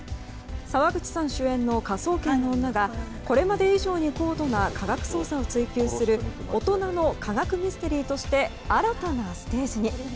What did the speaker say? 沢口さん主演の「科捜研の女」がこれまで以上に高度な科学捜査を追求する大人の科学ミステリーとして新たなステージに。